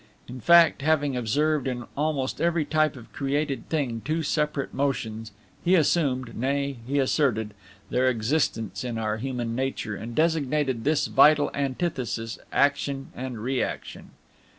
In fact, having observed in almost every type of created thing two separate motions, he assumed, nay, he asserted, their existence in our human nature, and designated this vital antithesis Action and Reaction.